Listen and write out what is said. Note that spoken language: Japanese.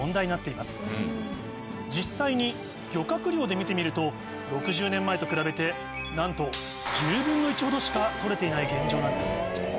実際に漁獲量で見てみると６０年前と比べてなんと１０分の１ほどしか取れていない現状なんです。